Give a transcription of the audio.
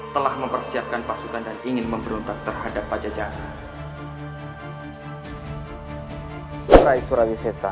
telah mempersiapkan pasukan dan ingin memberontak terhadap pajajara